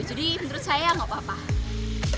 jadi menurut saya gak apa apa